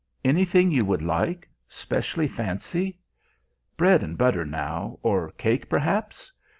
Anything you would like specially fancy? Bread and butter now, or cake perhaps?